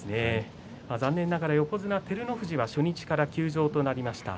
残念ながら横綱照ノ富士が初日から休場となりました。